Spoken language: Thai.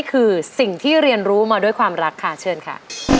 คือสิ่งที่เรียนรู้มาด้วยความรักค่ะเชิญค่ะ